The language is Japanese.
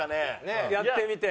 やってみて。